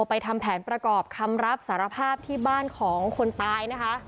ทำแผนประกอบคำรับสารภาพที่บ้านของคนตายนะคะ